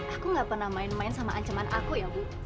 aku gak pernah main main sama ancaman aku ya bu